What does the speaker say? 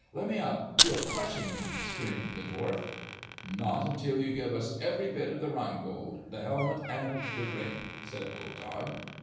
"Let me up! You are crushing me!" screamed the dwarf. "Not until you give us every bit of the Rhine Gold, the helmet and the Ring," said Wotan.